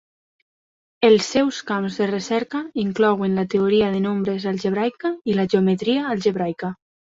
Els seus camps de recerca inclouen la teoria de nombres algebraica i la geometria algebraica.